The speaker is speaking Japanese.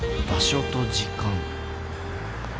場所と時間